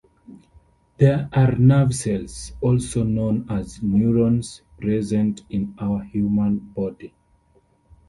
There are nerve cells, also known as neurons, present in our human body.